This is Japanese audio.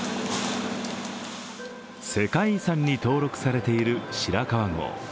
世界遺産に登録されている白川郷。